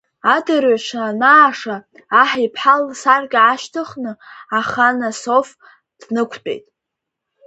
Адырҩаҽны анааша, аҳ иԥҳа лсаркьа аашьҭыхны ахан асоф днықәтәеит.